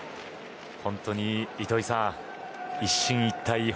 本当に糸井さん、一進一退